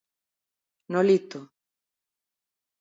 Nolito.